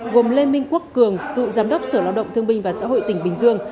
gồm lê minh quốc cường cựu giám đốc sở lao động thương binh và xã hội tỉnh bình dương